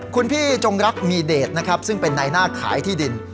คุณพี่จงรักมีเดชนะครับซึ่งเป็นในหน้าขายที่ดิน